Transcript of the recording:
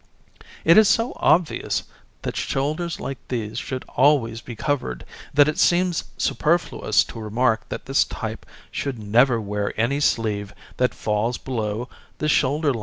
It is so obvious that shoulders like these should always be covered that it seems superfluous to remark that this type should never wear any sleeve that falls below the shoulder line.